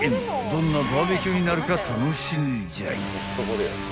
［どんなバーベキューになるか楽しみじゃい］